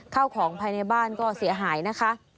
ข้าวของภายในบ้านก็เสียหายนะคะ